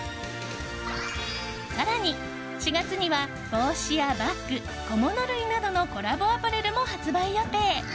更に、４月には帽子やバッグ、小物類などのコラボアパレルも発売予定。